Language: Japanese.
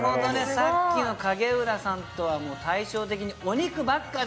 さっきの影浦さんとは対照的にお肉ばっかで！